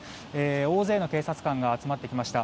大勢の警察官が集まってきました。